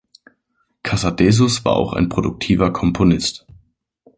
Casadesus war auch ein produktiver Komponist.